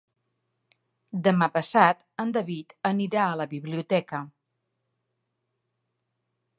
Demà passat en David anirà a la biblioteca.